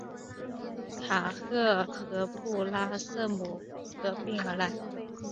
卡赫和布拉瑟姆合并而来。